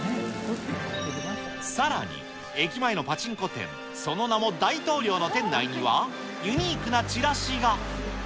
さらに、駅前のパチンコ店、その名も大統領の店内には、ユニークなチラシが。